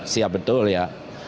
siap betul ya